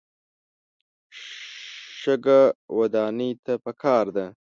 شګه ودانۍ ته پکار ده.